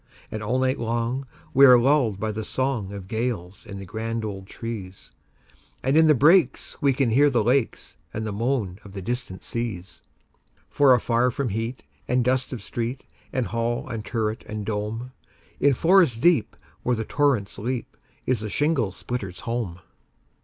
And all night long we are lulled by the songOf gales in the grand old trees; And in the breaks we can hear the lakesAnd the moan of the distant seas. For afar from heat and dust of street, And hall and turret, and dome, In forest deep, where the torrents leap, Is the shingle splitter's home.